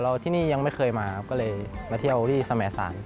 แล้วที่นี่ยังไม่เคยมาครับก็เลยมาเที่ยวที่สมสาร